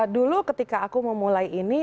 dulu ketika aku memulai ini